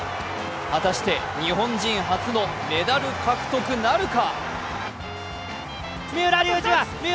果たして日本人初のメダル獲得なるか。